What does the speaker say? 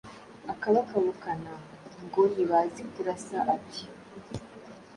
akabakabukana ngo ntibazi kurasa; ati: “